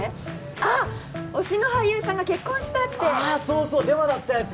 あっ推しの俳優さんが結婚したってああそうそうデマだったやつ！